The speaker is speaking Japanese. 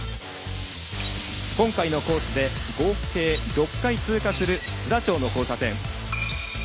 今回のコースで合計６回通過する須田町の交差点。